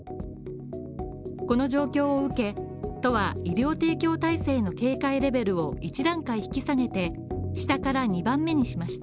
この状況を受け、都は医療提供体制の警戒レベルを１段階引き下げて、下から２番目にしました。